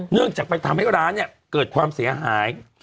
เนื่องจากไปทำให้ร้านเนี่ยเกิดความเสียหาย